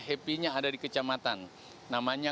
happy nya ada di kecamatan namanya